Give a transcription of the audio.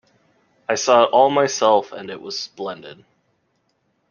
I saw it all myself, and it was splendid.